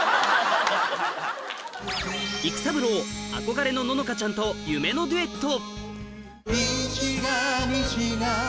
育三郎憧れの乃々佳ちゃんと夢のデュエットにじがにじが